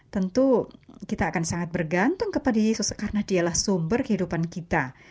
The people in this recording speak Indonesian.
tentu kita akan sangat bergantung kepada yesus karena dialah sumber kehidupan kita